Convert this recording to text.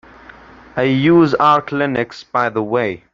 I use Arch Linux by the way.